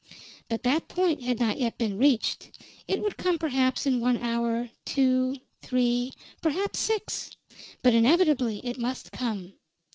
But that point had not yet been reached. It would come perhaps in one hour, two, three, perhaps six but inevitably it must come.